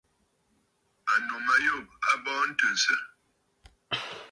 Ànnù ma yû a bɔɔ ntɨ̀nsə̀.